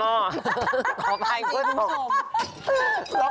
ออกไปพูดสม